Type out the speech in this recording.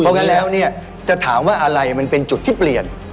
เพราะงั้นแล้วเนี่ยจะถามว่าอะไรมันเป็นจุดที่เปลี่ยน